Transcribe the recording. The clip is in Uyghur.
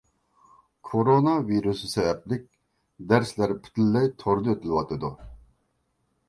كورونا ۋىرۇسى سەۋەبلىك دەرسلەر پۈتۈنلەي توردا ئۆتۈلۈۋاتىدۇ.